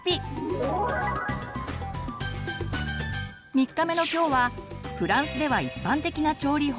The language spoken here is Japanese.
３日目のきょうはフランスでは一般的な調理法